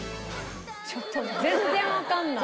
ちょっと全然わかんない。